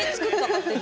勝手に？